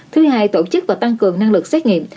thứ hai tổ chức và tăng cường năng lực xét nghiệm